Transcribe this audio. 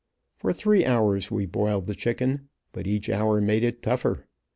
For three hours we boiled the chicken, but each hour made it tougher.